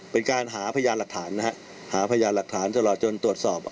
เป็นการหาพยานหลักฐานนะฮะหาพยานหลักฐานตลอดจนตรวจสอบ